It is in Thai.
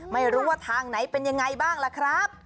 ไม่รู้ว่าทางไหนเป็นยังไงบ้างล่ะครับ